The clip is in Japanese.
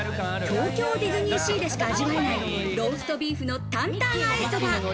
東京ディズニーシーでしか味わえない、ローストビーフの坦坦和えそば。